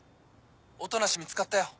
音無見つかったよ。